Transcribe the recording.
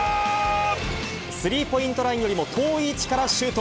スリーポイントラインよりも遠い位置からシュート。